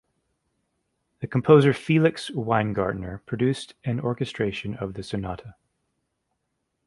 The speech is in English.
The composer Felix Weingartner produced an orchestration of the sonata.